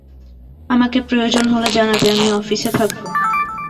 আমাকে প্রয়োজন হলে জানাবে আমি অফিসে থাকবো।